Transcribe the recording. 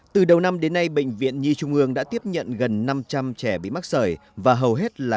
từ đầu năm đến nay bệnh viện nhi trung ương đã tiếp nhận gần năm trăm linh trẻ bị mắc sởi và hầu hết là